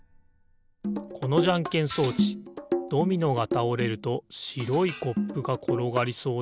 このじゃんけん装置ドミノがたおれるとしろいコップがころがりそうだけど。